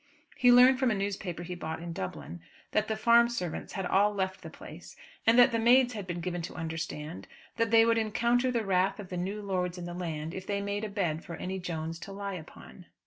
He learned from a newspaper he bought in Dublin that the farm servants had all left the place, and that the maids had been given to understand that they would encounter the wrath of the new lords in the land if they made a bed for any Jones to lie upon.